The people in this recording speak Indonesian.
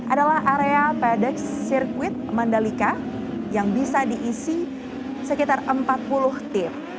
adalah area padex sirkuit mandalika yang bisa diisi sekitar empat puluh tim